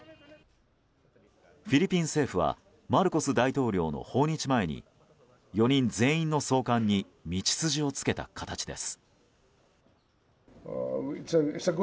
フィリピン政府はマルコス大統領の訪日前に４人全員の送還に道筋をつけた形です。